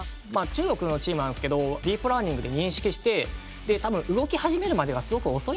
中国のチームなんですけどディープラーニングで認識して多分動き始めるまでがすごく遅いんですよね。